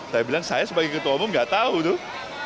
saya bilang saya sebagai ketua umum nggak tahu tuh